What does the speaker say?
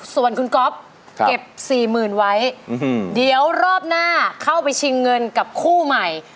ส่วนคุณก๊อฟเก็บสี่หมื่นไว้เดี๋ยวรอบหน้าเข้าไปชิงเงินกับคู่ใหม่